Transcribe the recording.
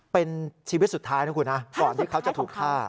เป็นชีวิตสุดท้ายนะคุณนะก่อนที่เขาจะถูกฆ่า